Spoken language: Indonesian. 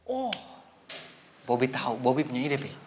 oh bobi tau bobi punya ide pak